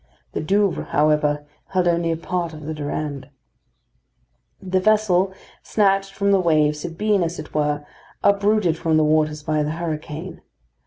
The Douvres, however, held only a part of the Durande. The vessel snatched from the waves had been, as it were, uprooted from the waters by the hurricane.